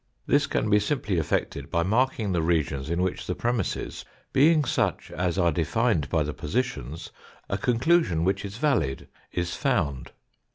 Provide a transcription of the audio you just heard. This can be simply effected by marking the regions in which the premisses, being such as are defined by the positions, a conclusion which is valid is found.